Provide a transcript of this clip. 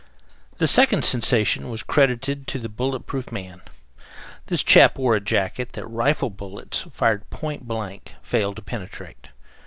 The second sensation was credited to the Bullet Proof Man. This chap wore a jacket that rifle bullets, fired point blank, failed to penetrate.